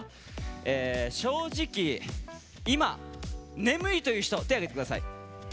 正直今、眠いという人手を上げてください。